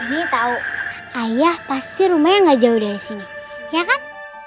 dini tau ayah pasti rumahnya gak jauh dari sini ya kan